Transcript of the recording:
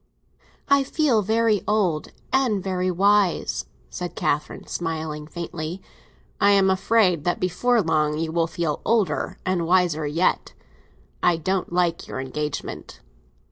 "I feel very old—and very wise," said Catherine, smiling faintly. "I am afraid that before long you will feel older and wiser yet. I don't like your engagement."